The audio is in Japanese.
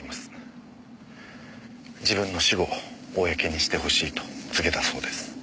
自分の死後公にしてほしいと告げたそうです。